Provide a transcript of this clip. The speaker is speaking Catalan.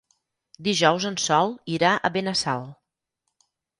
Dijous en Sol irà a Benassal.